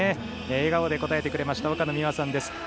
笑顔で答えてくれた岡野美和さんです。